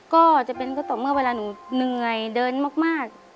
ก็จะเป็นเวลาหนูเหนื่อยเดินมาก